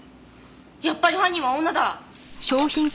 やっぱり犯人は女だ。